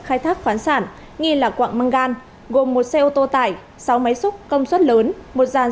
khai thác khoản sản nghi là quặng manggan gồm một xe ô tô tải sáu máy xúc công suất lớn một dàn